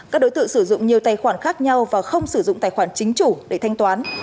các đối tượng sử dụng nhiều tài khoản khác nhau và không sử dụng tài khoản chính chủ để thanh toán